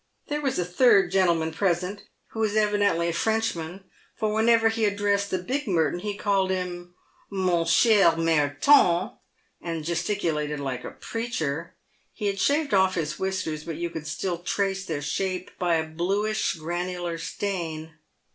There was a third gentleman present, who was evidently a French man, for whenever he addressed the big Merton he called him " Mon eher Mareton," and gesticulated like a preacher. He had shaved off his whiskers, but you could still trace their shape by a bluish granu lar stain.